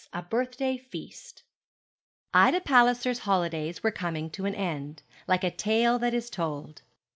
A BIRTHDAY FEAST. Ida Palliser's holidays were coming to an end, like a tale that is told.